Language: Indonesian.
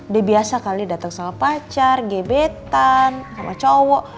dia biasa kali datang sama pacar gebetan sama cowok